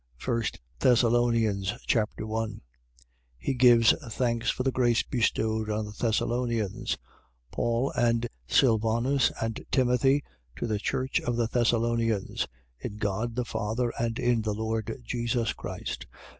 1 Thessalonians Chapter 1 He gives thanks for the grace bestowed on the Thessalonians. 1:1. Paul and Sylvanus and Timothy to the church of the Thessalonians: in God the Father and in the Lord Jesus Christ.